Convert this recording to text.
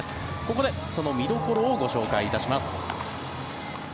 ここで、その見どころをご紹介いたします。